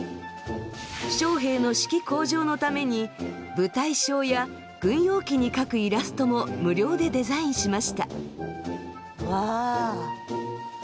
将兵の士気向上のために部隊章や軍用機に描くイラストも無料でデザインしました。